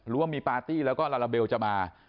ว่ามีปาร์ตี้แล้วก็ลาลาเบลจะมา